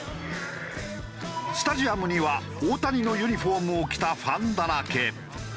スタジアムには大谷のユニフォームを着たファンだらけ。